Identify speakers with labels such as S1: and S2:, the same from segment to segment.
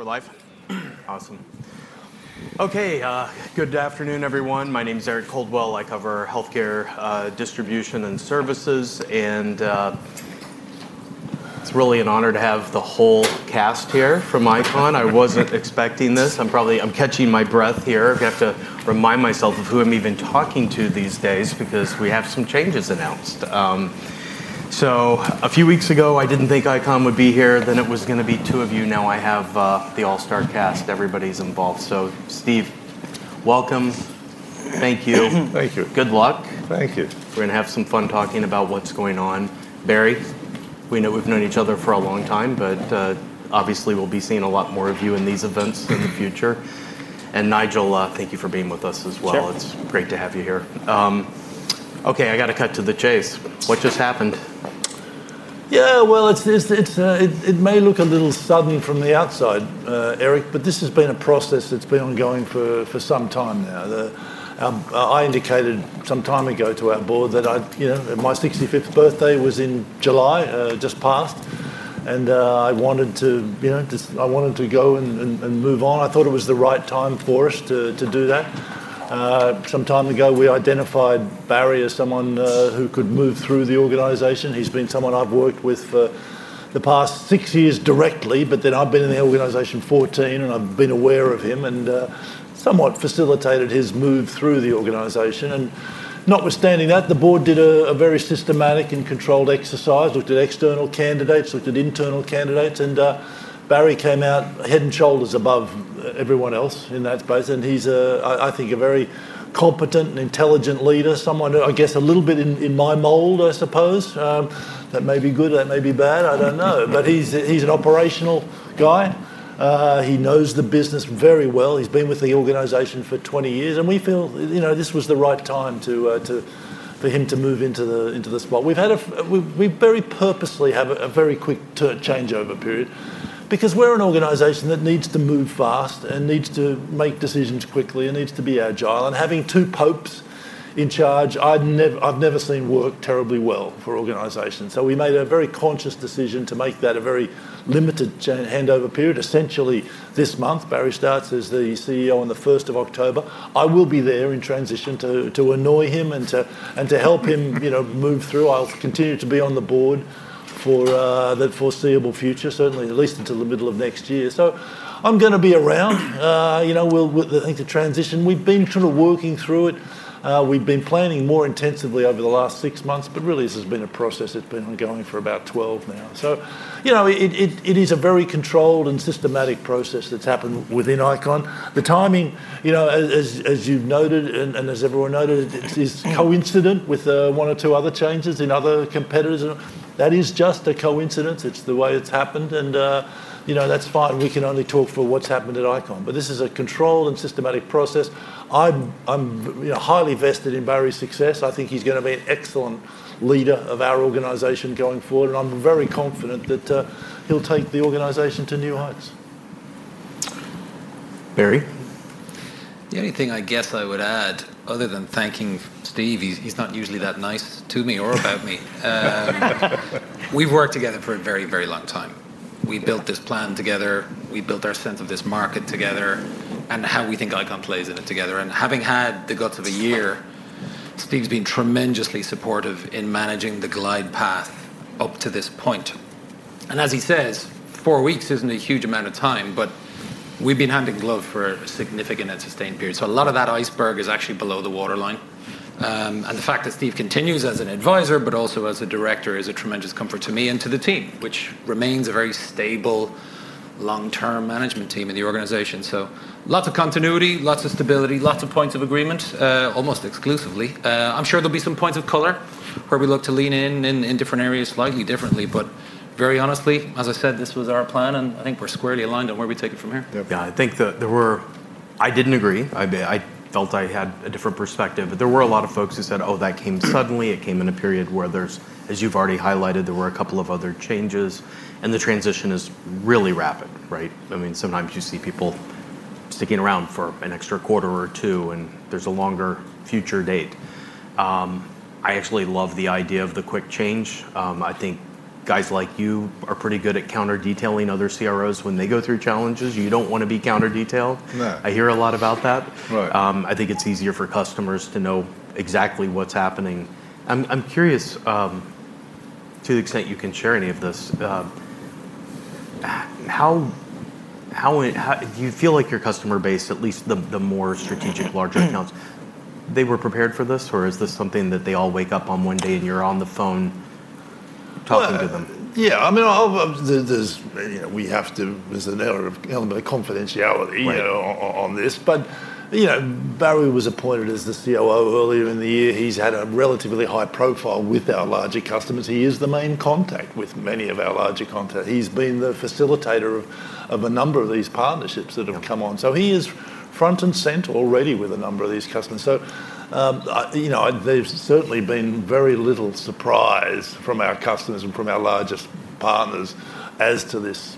S1: For life. Awesome. Okay. Good afternoon, everyone. My name is Eric Coldwell. I cover healthcare, distribution and services, and it's really an honor to have the whole cast here from ICON. I wasn't expecting this. I'm probably catching my breath here. I have to remind myself of who I'm even talking to these days because we have some changes announced. A few weeks ago, I didn't think ICON would be here. It was going to be two of you. Now I have the all-star cast. Everybody's involved. Steve, welcome. Thank you.
S2: Thank you.
S1: Good luck.
S2: Thank you.
S1: We're going to have some fun talking about what's going on. Barry, we know we've known each other for a long time, but obviously we'll be seeing a lot more of you in these events in the future. And Nigel, thank you for being with us as well. It's great to have you here. Okay, I gotta cut to the chase. What just happened?
S2: Yeah, it may look a little sudden from the outside, Eric, but this has been a process that's been ongoing for some time now. I indicated some time ago to our board that I, you know, my 65th birthday was in July, just passed. I wanted to, you know, just, I wanted to go and move on. I thought it was the right time for us to do that. Some time ago we identified Barry as someone who could move through the organization. He's been someone I've worked with for the past six years directly, but then I've been in the organization 14 and I've been aware of him and somewhat facilitated his move through the organization. Notwithstanding that, the board did a very systematic and controlled exercise, looked at external candidates, looked at internal candidates, and Barry came out head and shoulders above everyone else in that space. I think he's a very competent and intelligent leader, someone who I guess a little bit in my mold, I suppose. That may be good, that may be bad, I don't know. He's an operational guy. He knows the business very well. He's been with the organization for 20 years, and we feel this was the right time for him to move into the spot. We very purposely have a very quick changeover period because we're an organization that needs to move fast and needs to make decisions quickly and needs to be agile. Having two popes in charge, I've never seen work terribly well for organizations. We made a very conscious decision to make that a very limited changeover period. Essentially, this month, Barry starts as the CEO on the 1st of October. I will be there in transition to annoy him and to help him move through. I'll continue to be on the board for the foreseeable future, certainly at least until the middle of next year. I'm going to be around. I think the transition, we've been kind of working through it. We've been planning more intensively over the last six months, but really this has been a process that's been ongoing for about 12 now. It is a very controlled and systematic process that's happened within ICON. The timing, as you've noted and as everyone noted, is coincident with one or two other changes in other competitors. That is just a coincidence. It's the way it's happened, and that's fine. We can only talk for what's happened at ICON, but this is a controlled and systematic process. I'm highly vested in Barry's success. I think he's going to be an excellent leader of our organization going forward, and I'm very confident that he'll take the organization to new heights.
S1: Barry?
S3: The only thing I guess I would add, other than thanking Steve, he's not usually that nice to me or about me. We've worked together for a very, very long time. We built this plan together. We built our sense of this market together and how we think ICON plays in it together. Having had the guts of a year, Steve's been tremendously supportive in managing the glide path up to this point. As he says, four weeks isn't a huge amount of time, but we've been handing blood for a significant and sustained period. A lot of that iceberg is actually below the waterline. The fact that Steve continues as an advisor, but also as a director, is a tremendous comfort to me and to the team, which remains a very stable long-term management team in the organization. Lots of continuity, lots of stability, lots of points of agreement, almost exclusively. I'm sure there'll be some points of color where we look to lean in in different areas slightly differently, but very honestly, as I said, this was our plan and I think we're squarely aligned on where we take it from here.
S1: Yeah, I think that there were, I didn't agree. I did, I felt I had a different perspective, but there were a lot of folks who said, oh, that came suddenly. It came in a period where, as you've already highlighted, there were a couple of other changes and the transition is really rapid, right? I mean, sometimes you see people sticking around for an extra quarter or two and there's a longer future date. I actually love the idea of the quick change. I think guys like you are pretty good at counter-detailing other CROs when they go through challenges. You don't wanna be counter-detailed.
S2: No.
S1: I hear a lot about that.
S2: Right.
S1: I think it's easier for customers to know exactly what's happening. I'm curious, to the extent you can share any of this, how do you feel like your customer base, at least the more strategic larger accounts, they were prepared for this or is this something that they all wake up on one day and you're on the phone talking to them?
S2: Yeah, I mean, there's an element of confidentiality on this. Barry was appointed as the COO earlier in the year. He's had a relatively high profile with our larger customers. He is the main contact with many of our larger contacts. He's been the facilitator of a number of these partnerships that have come on. He is front and center already with a number of these customers. There's certainly been very little surprise from our customers and from our largest partners as to this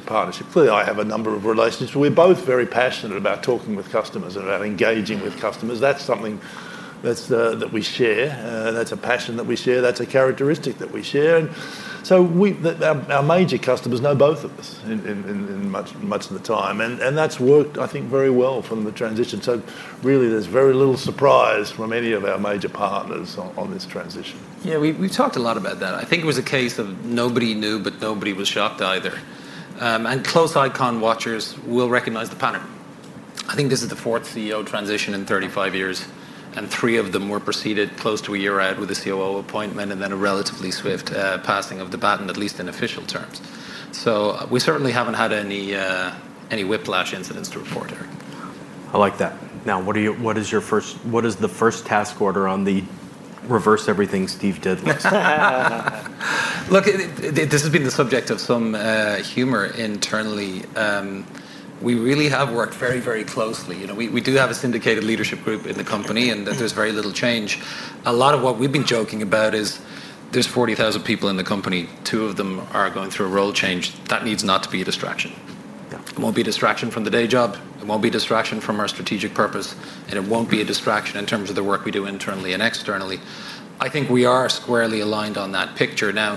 S2: partnership. Clearly, I have a number of relationships. We're both very passionate about talking with customers and about engaging with customers. That's something that we share. That's a passion that we share. That's a characteristic that we share. Our major customers know both of us in much of the time, and that's worked, I think, very well from the transition. Really, there's very little surprise from any of our major partners on this transition.
S3: Yeah, we've talked a lot about that. I think it was a case of nobody knew, but nobody was shocked either, and close ICON watchers will recognize the pattern. I think this is the fourth CEO transition in 35 years, and three of them were preceded close to a year ahead with a COO appointment and then a relatively swift passing of the baton, at least in official terms. We certainly haven't had any whiplash incidents to report, Eric.
S1: I like that. Now, what is your first, what is the first task order on the reverse everything Steve did list?
S3: Look, this has been the subject of some humor internally. We really have worked very, very closely. We do have a syndicated leadership group in the company and there's very little change. A lot of what we've been joking about is there's 40,000 people in the company, two of them are going through a role change. That needs not to be a distraction.
S1: Yeah.
S3: It won't be a distraction from the day job. It won't be a distraction from our strategic purpose, and it won't be a distraction in terms of the work we do internally and externally. I think we are squarely aligned on that picture. Now,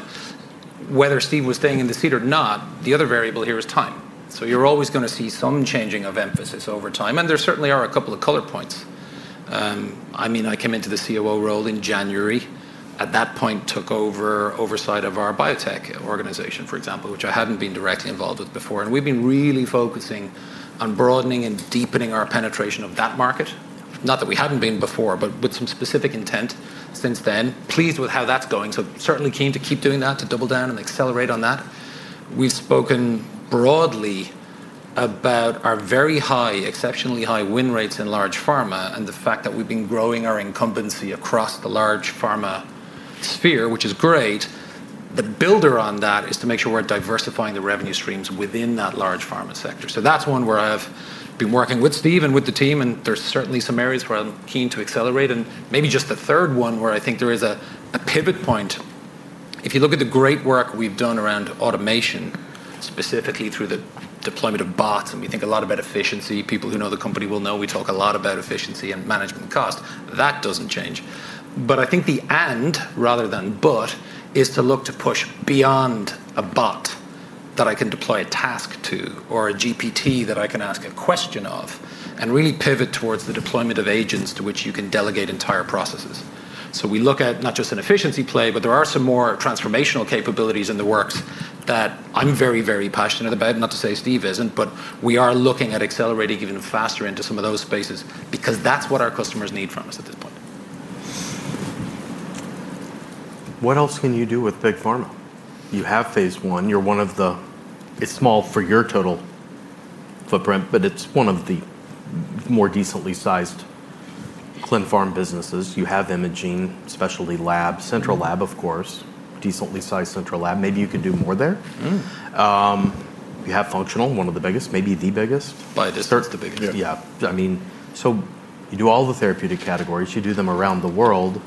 S3: whether Steve was staying in the seat or not, the other variable here is time. You are always going to see some changing of emphasis over time, and there certainly are a couple of color points. I came into the COO role in January. At that point, I took over oversight of our biotech organization, for example, which I hadn't been directly involved with before. We've been really focusing on broadening and deepening our penetration of that market. Not that we hadn't been before, but with some specific intent since then. Pleased with how that's going. Certainly keen to keep doing that, to double down and accelerate on that. We've spoken broadly about our very high, exceptionally high win rates in large pharma and the fact that we've been growing our incumbency across the large pharma sphere, which is great. The builder on that is to make sure we're diversifying the revenue streams within that large pharma sector. That's one where I've been working with Steve and with the team, and there certainly are some areas where I'm keen to accelerate. Maybe just the third one where I think there is a pivot point. If you look at the great work we've done around automation, specifically through the deployment of bots, and we think a lot about efficiency. People who know the company will know we talk a lot about efficiency and management cost. That doesn't change. I think the and, rather than but, is to look to push beyond a bot that I can deploy a task to, or a GPT that I can ask a question of, and really pivot towards the deployment of agents to which you can delegate entire processes. We look at not just an efficiency play, but there are some more transformational capabilities in the works that I'm very, very passionate about. Not to say Steve isn't, but we are looking at accelerating, giving them faster into some of those spaces because that's what our customers need from us at this point.
S1: What else can you do with large pharma? You have phase one, you're one of the, it's small for your total footprint, but it's one of the more decently sized clin pharma businesses. You have imaging, specialty labs, central lab, of course, decently sized central lab. Maybe you could do more there.
S3: Mm-hmm.
S1: You have functional, one of the biggest, maybe the biggest.
S3: By default, the biggest.
S1: Yeah. I mean, you do all the therapeutic categories, you do them around the world.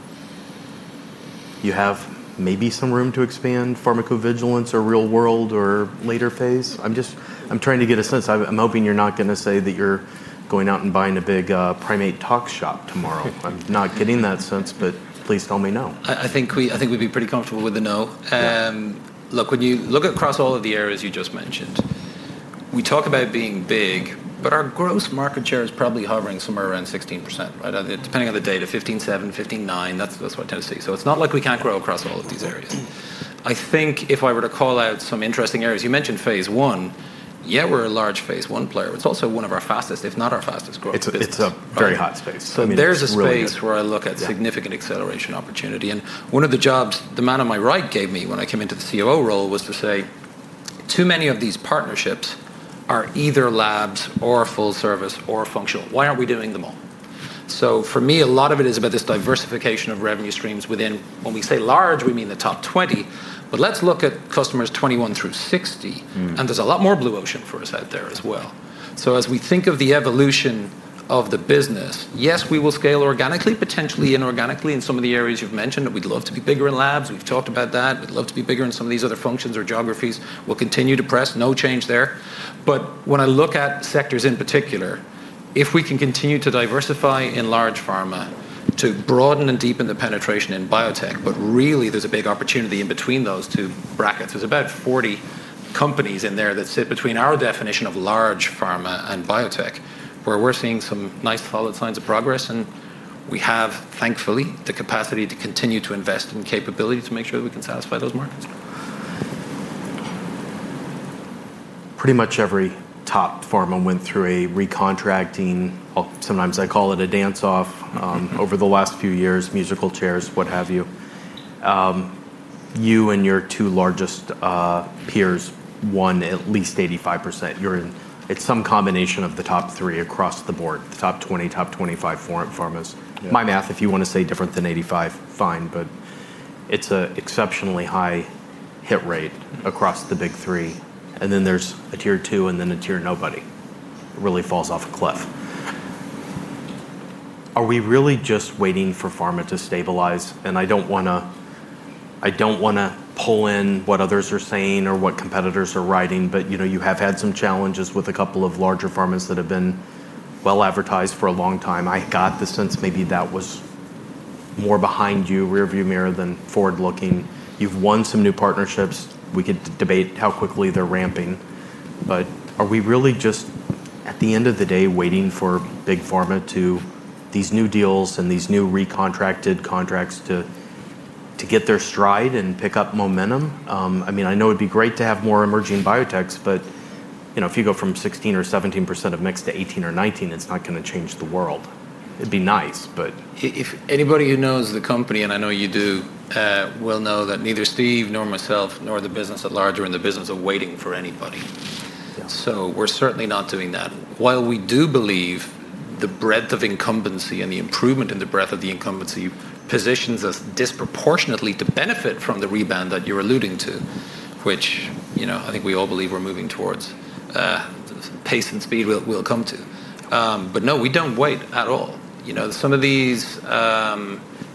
S1: You have maybe some room to expand pharmacovigilance or real world or later phase. I'm just trying to get a sense. I'm hoping you're not going to say that you're going out and buying a big primate talk shop tomorrow. I'm not getting that sense, but please tell me no.
S3: I think we'd be pretty comfortable with a no. Look, when you look across all of the areas you just mentioned, we talk about being big, but our gross market share is probably hovering somewhere around 16%, right? Depending on the data, 15.7%-15.9%. That's what I tend to see. It's not like we can't grow across all of these areas. I think if I were to call out some interesting areas, you mentioned phase one. Yeah, we're a large phase one player, but it's also one of our fastest, if not our fastest, growth.
S1: It's a very hot space.
S3: There is a space where I look at significant acceleration opportunity. One of the jobs the man on my right gave me when I came into the COO role was to say, too many of these partnerships are either labs or full service or functional. Why aren't we doing them all? For me, a lot of it is about this diversification of revenue streams within, when we say large, we mean the top 20, but let's look at customers 21 through 60. There is a lot more blue ocean for us out there as well. As we think of the evolution of the business, yes, we will scale organically, potentially inorganically in some of the areas you've mentioned, and we'd love to be bigger in labs. We've talked about that. We'd love to be bigger in some of these other functions or geographies. We will continue to press, no change there. When I look at sectors in particular, if we can continue to diversify in large pharma to broaden and deepen the penetration in biotech, there is a big opportunity in between those two. Brackets, there's about 40 companies in there that sit between our definition of large pharma and biotech, where we're seeing some nice solid signs of progress. We have, thankfully, the capacity to continue to invest in capabilities to make sure that we can satisfy those markets.
S1: Pretty much every top pharma went through a re-contracting. Sometimes I call it a dance-off over the last few years, musical chairs, what have you. You and your two largest peers won at least 85%. You're in, it's some combination of the top three across the board, the top 20, top 25 foreign pharmas. My math, if you want to say different than 85%, fine, but it's an exceptionally high hit rate across the big three. Then there's a tier two and then a tier nobody. It really falls off a cliff. Are we really just waiting for pharma to stabilize? I don't want to pull in what others are saying or what competitors are writing, but you have had some challenges with a couple of larger pharmas that have been well advertised for a long time. I got the sense maybe that was more behind you, rearview mirror than forward looking. You've won some new partnerships. We could debate how quickly they're ramping, but are we really just at the end of the day waiting for big pharma to, these new deals and these new re-contracted contracts to get their stride and pick up momentum? I mean, I know it'd be great to have more emerging biotechs, but if you go from 16% or 17% of mix to 18% or 19%, it's not going to change the world. It'd be nice, but.
S3: If anybody who knows the company, and I know you do, will know that neither Steve nor myself nor the business at large are in the business of waiting for anybody.
S1: Yeah.
S3: We are certainly not doing that. While we do believe the breadth of incumbency and the improvement in the breadth of the incumbency positions us disproportionately to benefit from the rebound that you're alluding to, which, you know, I think we all believe we're moving towards, pace and speed we'll come to. No, we don't wait at all. Some of these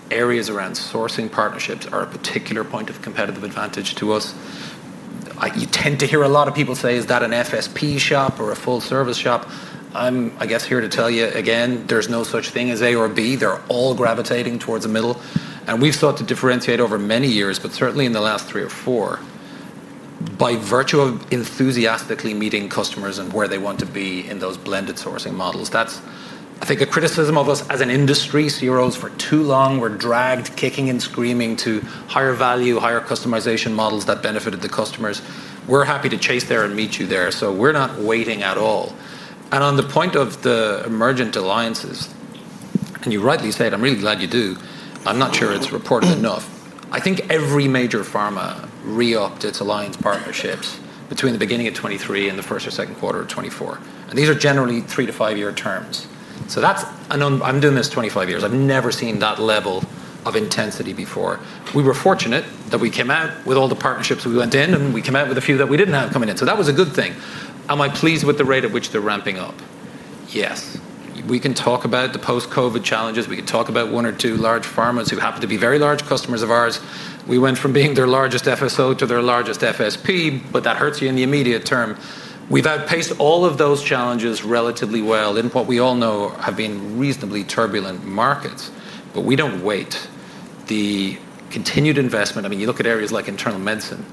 S3: areas around sourcing partnerships are a particular point of competitive advantage to us. You tend to hear a lot of people say, is that an FSP shop or a full service shop? I guess here to tell you again, there's no such thing as A or B. They're all gravitating towards the middle. We've sought to differentiate over many years, but certainly in the last three or four, by virtue of enthusiastically meeting customers and where they want to be in those blended sourcing models. That's, I think, a criticism of us as an industry. CROs for too long were dragged, kicking and screaming to higher value, higher customization models that benefited the customers. We're happy to chase there and meet you there. We are not waiting at all. On the point of the emergent alliances, and you rightly said, I'm really glad you do. I'm not sure it's reported enough. I think every major pharma re-upped its alliance partnerships between the beginning of 2023 and the first or second quarter of 2024. These are generally three to five-year terms. I'm doing this 25 years. I've never seen that level of intensity before. We were fortunate that we came out with all the partnerships we went in, and we came out with a few that we didn't have coming in. That was a good thing. Am I pleased with the rate at which they're ramping up? Yes. We can talk about the post-COVID challenges. We could talk about one or two large pharma who happen to be very large customers of ours. We went from being their largest FSO to their largest FSP, but that hurts you in the immediate term. We've outpaced all of those challenges relatively well in what we all know have been reasonably turbulent markets, but we don't wait. The continued investment, you look at areas like internal medicine,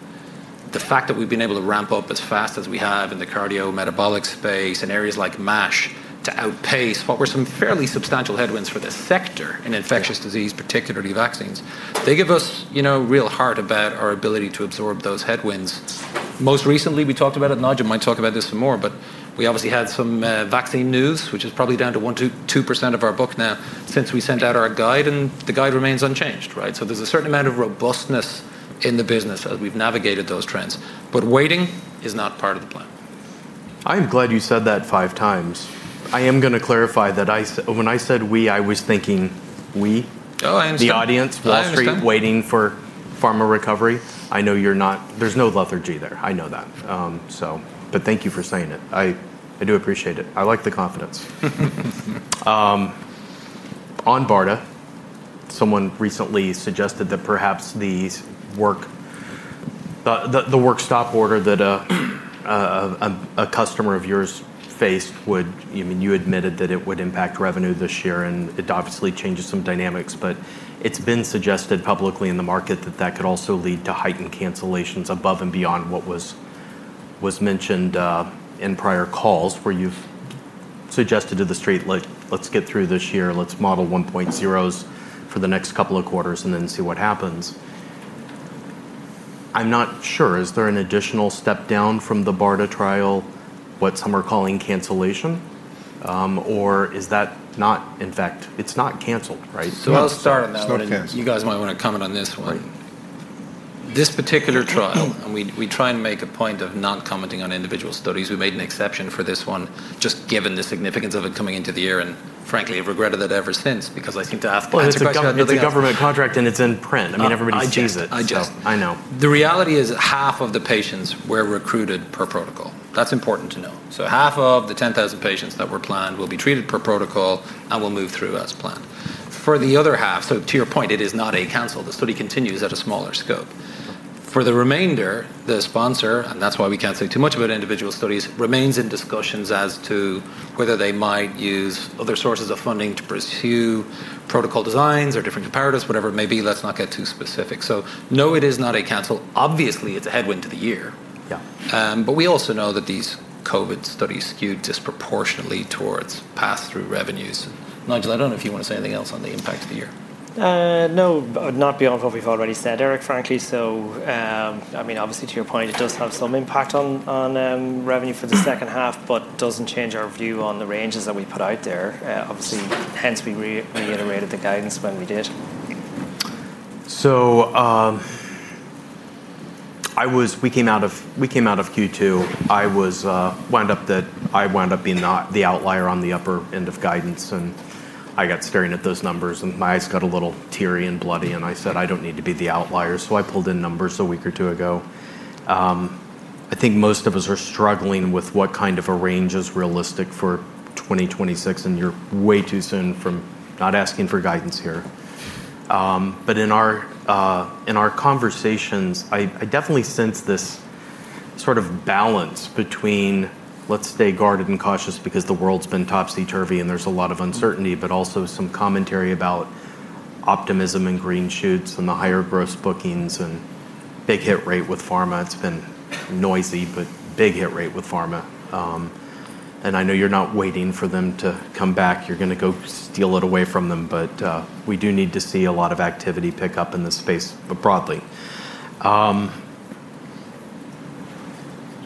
S3: the fact that we've been able to ramp up as fast as we have in the cardiometabolic space and areas like MASH to outpace what were some fairly substantial headwinds for the sector in infectious disease, particularly vaccines. They give us real heart about our ability to absorb those headwinds. Most recently, we talked about it, and Nigel might talk about this some more, but we obviously had some vaccine news, which is probably down to 1%-2% of our book now since we sent out our guide, and the guide remains unchanged, right? There's a certain amount of robustness in the business as we've navigated those trends, but waiting is not part of the plan.
S1: I am glad you said that five times. I am going to clarify that I said, when I said we, I was thinking we.
S3: Oh, I understand.
S1: The audience was waiting for pharma recovery. I know you're not, there's no lethargy there. I know that. Thank you for saying it. I do appreciate it. I like the confidence. On BARDA, someone recently suggested that perhaps the work stop order that a customer of yours faced would, I mean, you admitted that it would impact revenue this year, and it obviously changes some dynamics, but it's been suggested publicly in the market that that could also lead to heightened cancellations above and beyond what was mentioned in prior calls where you've suggested to the street, like, let's get through this year, let's model 1.0s for the next couple of quarters and then see what happens. I'm not sure. Is there an additional step down from the BARDA trial? What some are calling cancellation? Or is that not, in fact, it's not canceled, right?
S3: I'll start on that one. You guys might want to comment on this one. This particular trial, and we try and make a point of not commenting on individual studies. We made an exception for this one, just given the significance of it coming into the year, and frankly, I regretted that ever since because I seem to get asked questions about it.
S1: It's a government contract and it's in print. I mean, everybody sees it.
S3: The reality is half of the patients were recruited per protocol. That's important to know. Half of the 10,000 patients that were planned will be treated per protocol and will move through as planned. For the other half, to your point, it is not a cancel. The study continues at a smaller scope. For the remainder, the sponsor, and that's why we can't say too much about individual studies, remains in discussions as to whether they might use other sources of funding to pursue protocol designs or different comparators, whatever it may be. Let's not get too specific. No, it is not a cancel. Obviously, it's a headwind to the year.
S1: Yeah.
S3: We also know that these COVID studies skewed disproportionately towards pass-through revenues. Nigel, I don't know if you wanna say anything else on the impact of the year.
S4: No, I'd not be off of what we've already said, Eric, frankly. Obviously, to your point, it does have some impact on revenue for the second half, but doesn't change our view on the ranges that we put out there. Obviously, hence we reiterated the guidance when we did.
S1: We came out of Q2. I wound up being the outlier on the upper end of guidance, and I got staring at those numbers and my eyes got a little teary and bloody, and I said, I don't need to be the outlier. I pulled in numbers a week or two ago. I think most of us are struggling with what kind of a range is realistic for 2026, and you're way too soon from not asking for guidance here. In our conversations, I definitely sense this sort of balance between let's stay guarded and cautious because the world's been topsy-turvy and there's a lot of uncertainty, but also some commentary about optimism and green shoots and the higher gross bookings and big hit rate with pharma. It's been noisy, but big hit rate with pharma. I know you're not waiting for them to come back. You're going to go steal it away from them, but we do need to see a lot of activity pick up in this space broadly.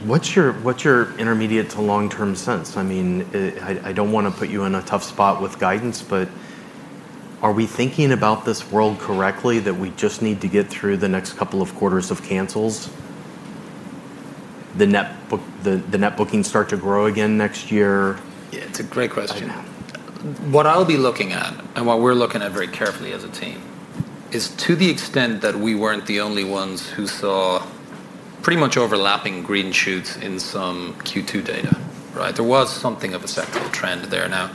S1: What's your intermediate to long-term sense? I don't want to put you in a tough spot with guidance, but are we thinking about this world correctly that we just need to get through the next couple of quarters of cancels? The net bookings start to grow again next year.
S3: It's a great question. What I'll be looking at, and what we're looking at very carefully as a team, is to the extent that we weren't the only ones who saw pretty much overlapping green shoots in some Q2 data, right? There was something of a sectoral trend there. Now,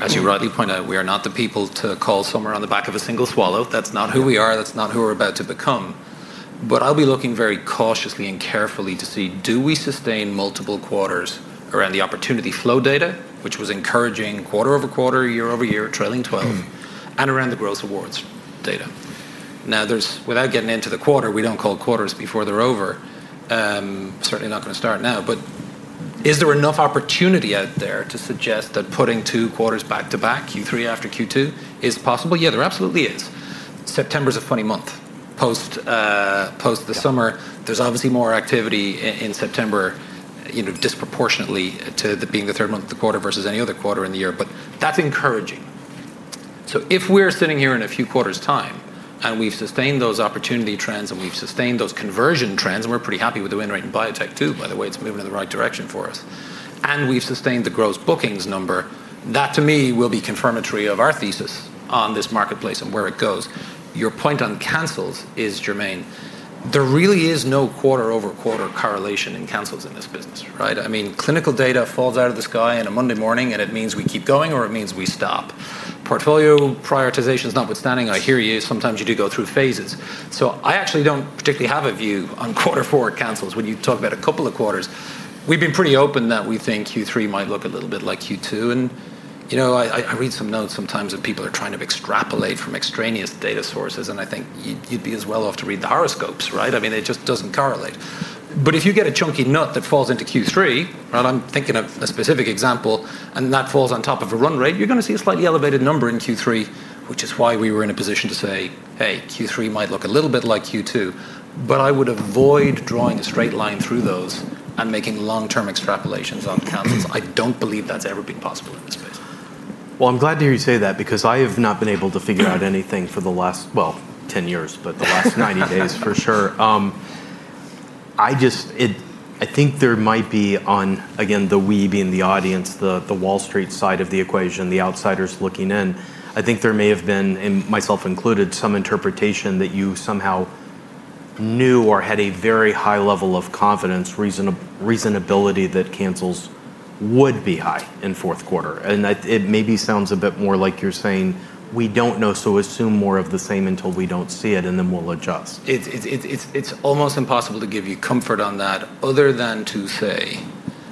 S3: as you rightly point out, we are not the people to call somewhere on the back of a single swallow. That's not who we are. That's not who we're about to become. I'll be looking very cautiously and carefully to see, do we sustain multiple quarters around the opportunity flow data, which was encouraging quarter over quarter, year over year, trailing 12, and around the gross awards data. Now, without getting into the quarter, we don't call quarters before they're over. Certainly not going to start now, but is there enough opportunity out there to suggest that putting two quarters back to back, Q3 after Q2, is possible? Yeah, there absolutely is. September's a funny month. Post, post the summer, there's obviously more activity in September, disproportionately to the being the third month of the quarter versus any other quarter in the year, but that's encouraging. If we're sitting here in a few quarters' time and we've sustained those opportunity trends and we've sustained those conversion trends, and we're pretty happy with the win rate in biotech too, by the way, it's moving in the right direction for us, and we've sustained the gross bookings number, that to me will be confirmatory of our thesis on this marketplace and where it goes. Your point on cancels is germane. There really is no quarter over quarter correlation in cancels in this business, right? I mean, clinical data falls out of the sky on a Monday morning, and it means we keep going or it means we stop. Portfolio prioritization is notwithstanding. I hear you. Sometimes you do go through phases. I actually don't particularly have a view on quarter four cancels. When you talk about a couple of quarters, we've been pretty open that we think Q3 might look a little bit like Q2. I read some notes sometimes that people are trying to extrapolate from extraneous data sources, and I think you'd be as well off to read the horoscopes, right? It just doesn't correlate. If you get a chunky nut that falls into Q3, right, I'm thinking of a specific example, and that falls on top of a run rate, you're going to see a slightly elevated number in Q3, which is why we were in a position to say, hey, Q3 might look a little bit like Q2, but I would avoid drawing a straight line through those and making long-term extrapolations on cancels. I don't believe that's ever been possible in this space.
S1: I'm glad to hear you say that because I have not been able to figure out anything for the last 10 years, but the last 90 days for sure. I think there might be, again, the we being the audience, the Wall Street side of the equation, the outsiders looking in. I think there may have been, and myself included, some interpretation that you somehow knew or had a very high level of confidence, reasonability that cancels would be high in fourth quarter. It maybe sounds a bit more like you're saying, we don't know, so assume more of the same until we don't see it, and then we'll adjust.
S3: It's almost impossible to give you comfort on that other than to say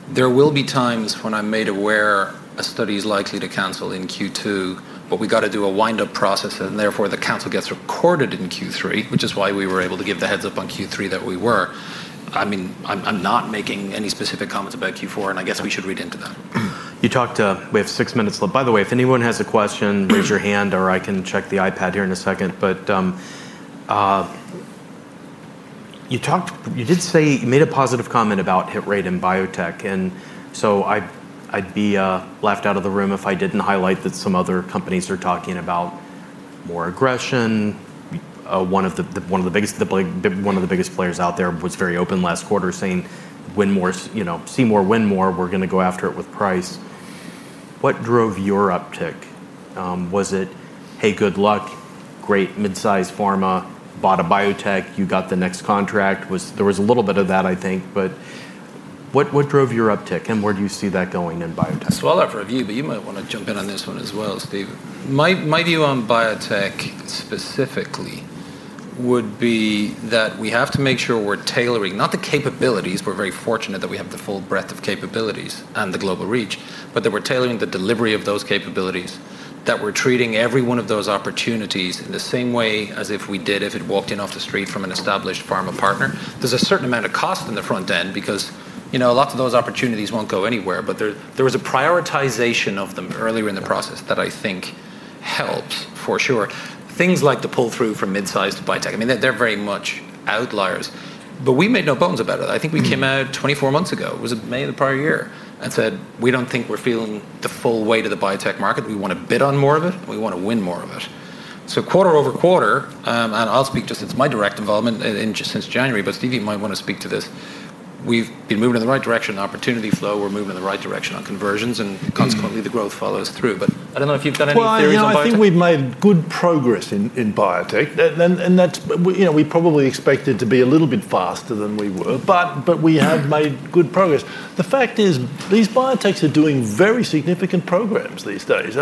S3: there will be times when I'm made aware a study is likely to cancel in Q2, but we gotta do a windup process, and therefore the cancel gets recorded in Q3, which is why we were able to give the heads up on Q3 that we were. I'm not making any specific comments about Q4, and I guess we should read into that.
S1: You talked, we have six minutes left. By the way, if anyone has a question, raise your hand, or I can check the iPad here in a second. You did say you made a positive comment about hit rate in biotech, and I'd be laughed out of the room if I didn't highlight that some other companies are talking about more aggression. One of the biggest players out there was very open last quarter saying, win more, you know, see more, win more, we're going to go after it with price. What drove your uptick? Was it, hey, good luck, great mid-size pharma, bought a biotech, you got the next contract? There was a little bit of that, I think, but what drove your uptick and where do you see that going in biotech?
S3: I'll leave that for a view, but you might want to jump in on this one as well, Steve. My view on biotech specifically would be that we have to make sure we're tailoring, not the capabilities. We're very fortunate that we have the full breadth of capabilities and the global reach, but that we're tailoring the delivery of those capabilities, that we're treating every one of those opportunities in the same way as if we did if it walked in off the street from an established pharma partner. There's a certain amount of cost in the front end because, you know, lots of those opportunities won't go anywhere, but there was a prioritization of them earlier in the process that I think helps for sure. Things like the pull through from mid-size to biotech, I mean, they're very much outliers, but we made no bones about it. I think we came out 24 months ago, was it May of the prior year, and said, we don't think we're feeling the full weight of the biotech market. We want to bid on more of it. We want to win more of it. Quarter over quarter, and I'll speak just, it's my direct involvement in just since January, but Steve, you might want to speak to this. We've been moving in the right direction, the opportunity flow, we're moving in the right direction on conversions, and consequently the growth follows through. I don't know if you've done any theories on biotech.
S2: I think we've made good progress in biotech, and that, you know, we probably expected to be a little bit faster than we were, but we have made good progress. The fact is these biotechs are doing very significant programs these days.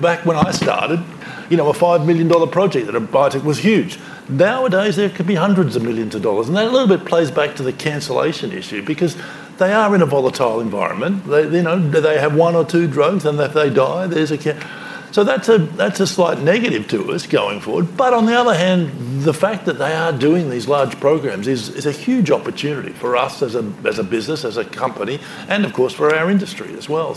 S2: Back when I started, you know, a $5 million project that a biotech was huge. Nowadays, there could be hundreds of millions of dollars, and that a little bit plays back to the cancellation issue because they are in a volatile environment. They have one or two drugs, and if they die, there's a, so that's a slight negative to us going forward. On the other hand, the fact that they are doing these large programs is a huge opportunity for us as a business, as a company, and of course for our industry as well.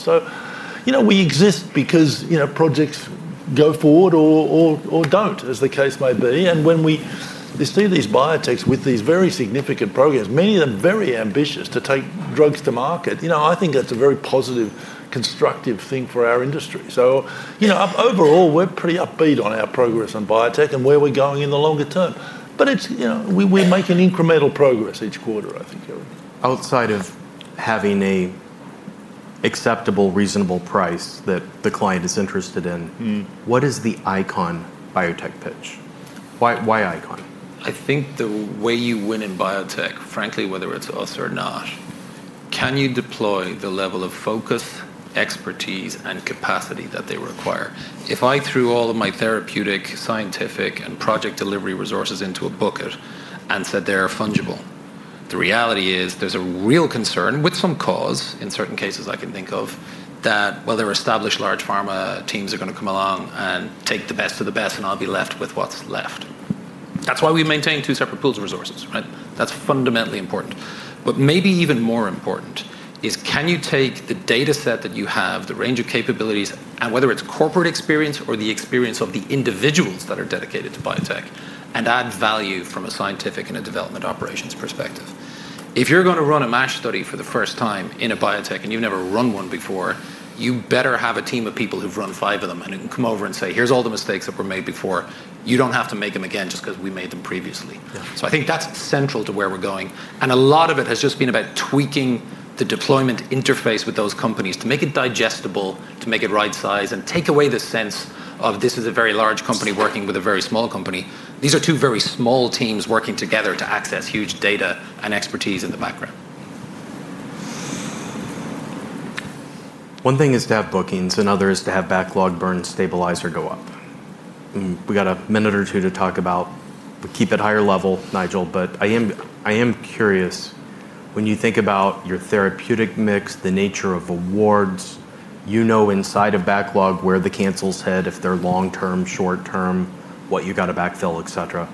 S2: We exist because, you know, projects go forward or don't, as the case may be. When we see these biotechs with these very significant programs, many of them very ambitious to take drugs to market, I think that's a very positive, constructive thing for our industry. Overall, we're pretty upbeat on our progress on biotech and where we're going in the longer term. It's, you know, we make incremental progress each quarter, I think.
S1: Outside of having an acceptable, reasonable price that the client is interested in, what is the ICON biotech pitch? Why ICON?
S3: I think the way you win in biotech, frankly, whether it's us or not, can you deploy the level of focus, expertise, and capacity that they require? If I threw all of my therapeutic, scientific, and project delivery resources into a bucket and said they're fungible, the reality is there's a real concern with some cause in certain cases I can think of that their established large pharma teams are going to come along and take the best of the best, and I'll be left with what's left. That's why we maintain two separate pools of resources, right? That's fundamentally important. Maybe even more important is can you take the data set that you have, the range of capabilities, and whether it's corporate experience or the experience of the individuals that are dedicated to biotech, and add value from a scientific and a development operations perspective. If you're going to run a MASH study for the first time in a biotech and you've never run one before, you better have a team of people who've run five of them and come over and say, here's all the mistakes that were made before. You don't have to make them again just 'cause we made them previously.
S1: Yeah.
S3: I think that's central to where we're going. A lot of it has just been about tweaking the deployment interface with those companies to make it digestible, to make it right size, and take away the sense of this is a very large company working with a very small company. These are two very small teams working together to access huge data and expertise in the background.
S1: One thing is to have bookings, another is to have backlog burn stabilize or go up. We got a minute or two to talk about, we keep that higher level, Nigel, but I am curious when you think about your therapeutic mix, the nature of awards, you know, inside a backlog where the cancels head, if they're long-term, short-term, what you gotta backfill, et cetera.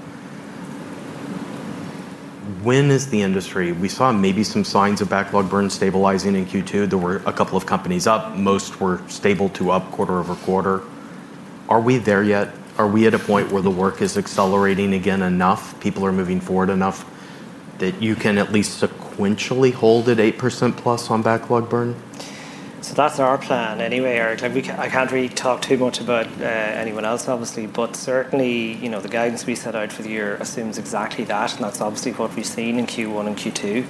S1: When is the industry, we saw maybe some signs of backlog burn stabilizing in Q2. There were a couple of companies up. Most were stable to up quarter over quarter. Are we there yet? Are we at a point where the work is accelerating again enough? People are moving forward enough that you can at least sequentially hold at 8%+ on backlog burn?
S4: That's our plan anyway, Eric. I can't really talk too much about anyone else, obviously, but certainly, you know, the guidance we set out for the year assumes exactly that. That's obviously what we've seen in Q1 and Q2,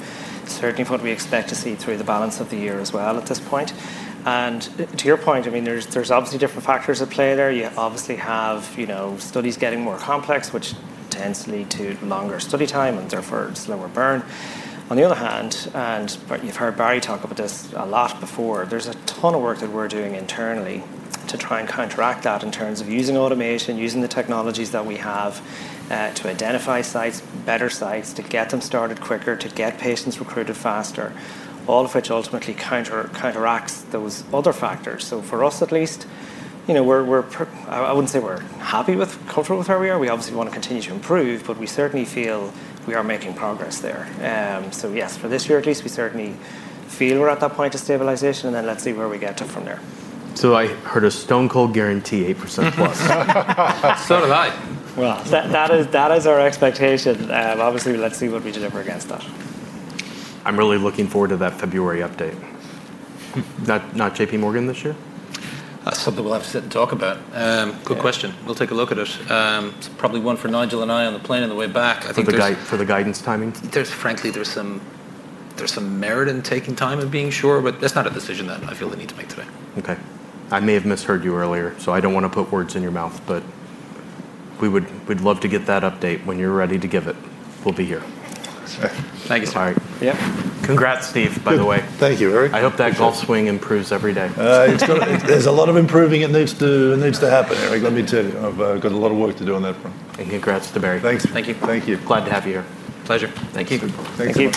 S4: certainly what we expect to see through the balance of the year as well at this point. To your point, I mean, there's obviously different factors at play there. You obviously have, you know, studies getting more complex, which tends to lead to longer study time and therefore slower burn. On the other hand, and you've heard Barry talk about this a lot before, there's a ton of work that we're doing internally to try and counteract that in terms of using automation, using the technologies that we have to identify sites, better sites, to get them started quicker, to get patients recruited faster, all of which ultimately counteracts those other factors. For us, at least, I wouldn't say we're happy with comfortable with where we are. We obviously want to continue to improve, but we certainly feel we are making progress there. Yes, for this year, at least, we certainly feel we're at that point of stabilization, and then let's see where we get to from there.
S1: I heard a stone cold guarantee 8% plus.
S3: I did.
S4: That is our expectation. Obviously, let's see what we deliver against that.
S1: I'm really looking forward to that February update. Not JP Morgan this year?
S3: That's something we'll have to sit and talk about. Good question. We'll take a look at it. It's probably one for Nigel and I on the plane on the way back.
S1: For the guidance timing?
S3: Frankly, there's some merit in taking time and being sure, but that's not a decision that I feel the need to make today.
S1: Okay. I may have misheard you earlier, so I don't want to put words in your mouth, but we would love to get that update when you're ready to give it. We'll be here.
S3: Thank you, sir.
S1: All right.
S3: Yep.
S1: Congrats, Steve, by the way.
S2: Thank you, Eric.
S1: I hope that golf swing improves every day.
S2: going to, there's a lot of improving that needs to happen, Eric. Let me tell you, I've got a lot of work to do on that front.
S1: Congratulations to Barry.
S2: Thanks.
S3: Thank you.
S2: Thank you.
S1: Glad to have you here.
S3: Pleasure.
S1: Thank you.
S2: Thank you.